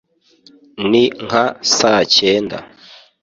ni nka saa cyenda